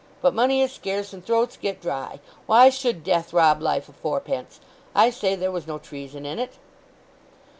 But money is scarce, and throats get dry. Why should death rob life o' fourpence? I say there was no treason in it."